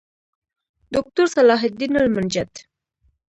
دوکتور صلاح الدین المنجد